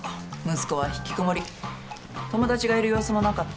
息子は引きこもり友達がいる様子もなかった。